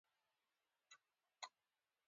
ړانده یې لیدلای شي دا یو ښه مثال دی.